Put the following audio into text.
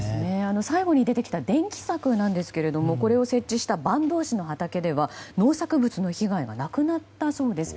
最後に出てきた電気柵なんですがこれを設置した坂東市の畑では農作物の被害がなくなったそうです。